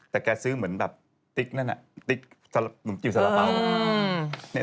แต่แกซื้อเหมือนแบบติ๊กนั่นน่ะติ๊กหนุ่มจิ๋วสาระเป๋า